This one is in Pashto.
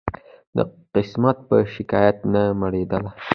د قسمت په شکایت نه مړېدله